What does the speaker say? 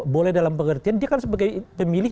boleh dalam pengertian dia kan sebagai pemilih